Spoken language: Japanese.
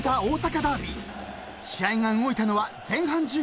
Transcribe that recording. ［試合が動いたのは］